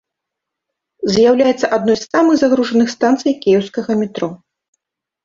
З'яўляецца адной з самых загружаных станцыяй кіеўскага метро.